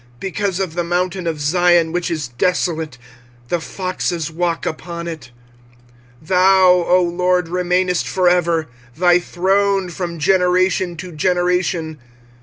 25:005:018 Because of the mountain of Zion, which is desolate, the foxes walk upon it. 25:005:019 Thou, O LORD, remainest for ever; thy throne from generation to generation.